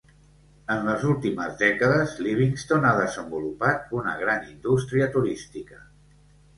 En les últimes dècades, Livingston ha desenvolupat una gran indústria turística.